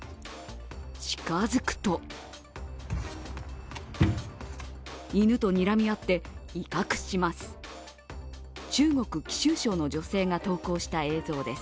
近づくと犬とにらみ合って、威嚇します。